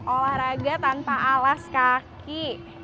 olahraga tanpa alas kaki